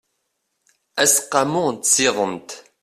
aseqqamu n tsiḍent